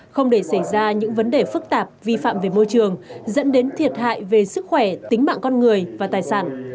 không để xảy ra những vấn đề phức tạp vi phạm về môi trường dẫn đến thiệt hại về sức khỏe tính mạng con người và tài sản